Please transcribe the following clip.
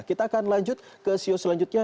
kita akan lanjut ke siu selanjutnya